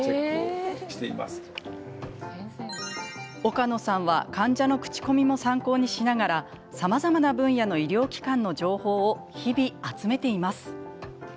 岡野さんは患者の口コミも参考にしながらさまざまな分野の医療機関の情報を日々、集めています。